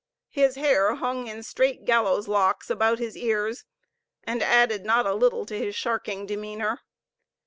His hair hung in straight gallows locks about his ears, and added not a little to his sharking demeanor.